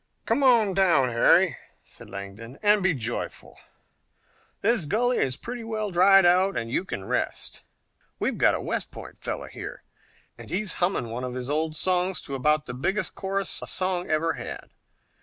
"Come down, Harry," said Langdon, "and be joyful. This gully is pretty well dried out and you can rest. We've got a West Point fellow here and he's humming one of his old songs to about the biggest chorus a song ever had.